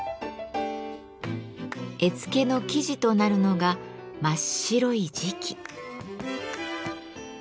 絵付けの素地となるのが真っ白い磁器。